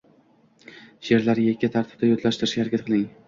sheʼrlarni yakka tartibda yodlatishga harakat qiling!